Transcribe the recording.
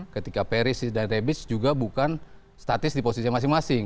ketika peris dan rebis juga bukan statis di posisi masing masing